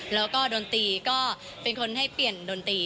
แล้วก็ดนตรีก็เป็นคนให้เปลี่ยนดนตรี